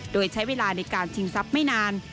โดยใช้เวลาในการชิงทรัพย์ไม่นาน